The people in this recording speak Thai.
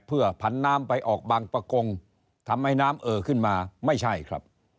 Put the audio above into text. เพื่อผันน้ำไปออกบางประกงทำให้น้ำเอ่อขึ้นมาไม่ใช่ครับ